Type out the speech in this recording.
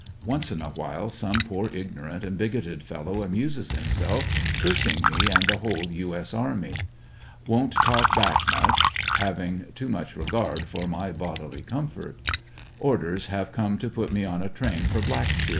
Once in a while some poor ignorant and bigoted fellow amuses himself cursing me and the whole U, S. army. Don't talk back much, having too much regard for my 130 ANJDEBSONVILLE DIARY. bodily comfort. Orders, have come to put me on a train for Black shear.